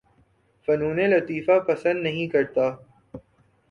فنون لطیفہ پسند نہیں کرتا